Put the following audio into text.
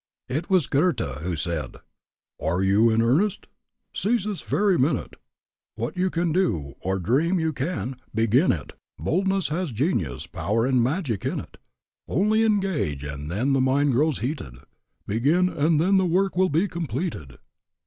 It was Goethe who said: "Are you in earnest? Seize this very minute: What you can do, or dream you can, begin it; Boldness has genius, power, and magic in it. Only engage and then the mind grows heated; Begin and then the work will be completed."